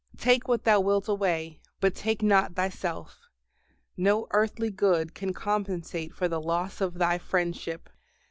Take what Thou wilt away, but take not Thyself; no earthly good can compensate for the loss of Thy friendship.